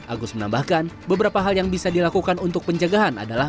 agus menambahkan beberapa hal yang bisa dilakukan untuk pencegahan adalah